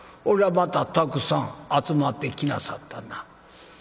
こらまたたくさん集まってきなさったな。